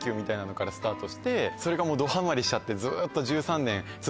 それがどハマりしちゃってずっと。